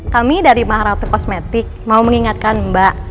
kami dari maharatu kosmetik mau mengingatkan mbak